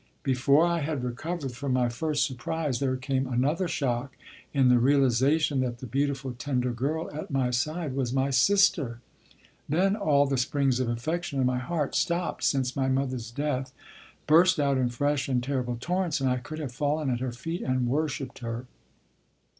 Before I had recovered from my first surprise, there came another shock in the realization that the beautiful, tender girl at my side was my sister. Then all the springs of affection in my heart, stopped since my mother's death, burst out in fresh and terrible torrents, and I could have fallen at her feet and worshiped her.